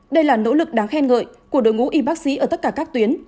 đây là nỗ lực đáng khen ngợi của đội ngũ y bác sĩ ở tất cả các tuyến